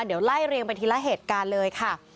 เดี๋ยวไล่เรียงไปทีละเหตุการณ์เลยค่ะ